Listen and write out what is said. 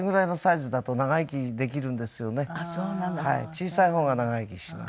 小さい方が長生きします。